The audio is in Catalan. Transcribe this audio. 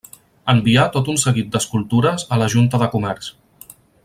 Envià tot un seguit d'escultures a la Junta de Comerç.